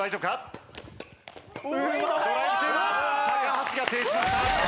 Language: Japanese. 橋が制しました！